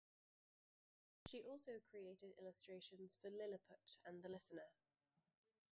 She also created illustrations for "Lilliput" and "The Listener".